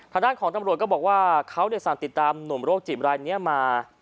ทางด้านของตำรวจก็บอกว่าเขาสั่งติดตามหนุ่มโรคจิตรายนี้มา